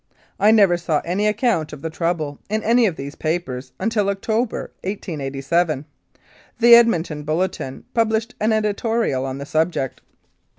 I never saw any account of the trouble in any of these papers until in October, 1887, the Edmonton Bulletin published an editorial on the subject.